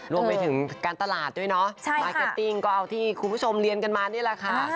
รวมไปถึงการตลาดด้วยเนาะมาร์เก็ตติ้งก็เอาที่คุณผู้ชมเรียนกันมานี่แหละค่ะ